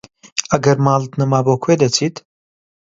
ئەگەر ماڵت نەما بۆ کوێ دەچیت؟